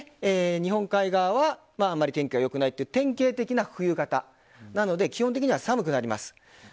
日本海側はあまり天気が良くないという典型的な冬型なので基本的には寒くなります。